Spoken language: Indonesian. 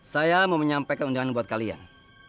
saya mau menyampaikan undangan buat kalian